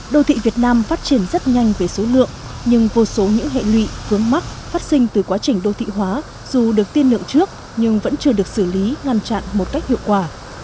đô thị việt nam phát triển rất nhanh về số lượng nhưng vô số những hệ lụy vướng mắc phát sinh từ quá trình đô thị hóa dù được tiên lượng trước nhưng vẫn chưa được xử lý ngăn chặn một cách hiệu quả